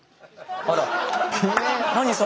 あら。